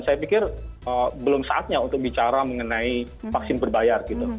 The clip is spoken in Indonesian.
saya pikir belum saatnya untuk bicara mengenai vaksin berbayar gitu